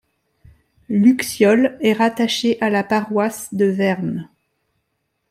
Luxiol est rattaché à la paroisse de Verne.